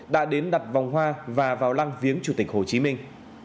đã đến đặt vòng hoa và vào lăng viếng chủ tịch hồ chí minh